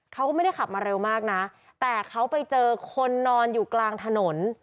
เขาก็ไม่ได้ขับมาเร็วมากนะแต่เขาไปเจอคนนอนอยู่กลางถนน